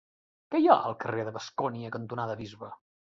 Què hi ha al carrer Bascònia cantonada Bisbe?